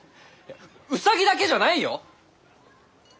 ウサギだけじゃないよ！